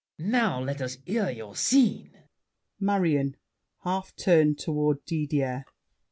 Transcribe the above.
Now let us hear your scene MARION (half turned toward Didier).